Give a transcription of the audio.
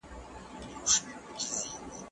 زه بايد سفر وکړم؟